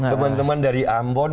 teman teman dari ambon